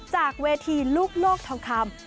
จากเวทีลูกโลกทองคำ